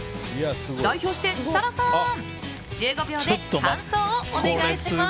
代表して、設楽さん！１５秒で感想をお願いします。